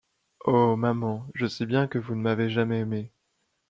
Oh! maman, je sais bien que vous ne m’avez jamais aimé.